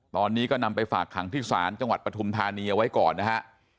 ตอนนี้ก็นำไปฝากขังที่ศาลจังหวัดปฐุมธานีเอาไว้ก่อนนะฮะ